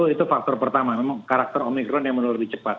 itu faktor pertama memang karakter omikron yang menurun lebih cepat